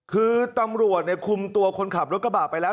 คือตำรวจคุมตัวคนขับรถกระบะไปแล้ว